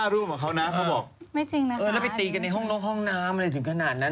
แล้วไปตีกันในห้องน้ำอะไรถึงขนาดนั้น